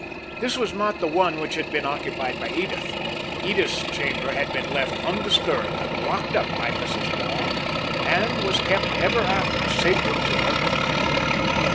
This was not the one which had been occupied by Edith. Edith's chamber had been left undisturbed and locked up by Mrs. Waugh, and was kept ever after sacred to her memory.